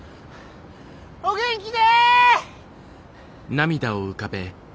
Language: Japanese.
お元気で！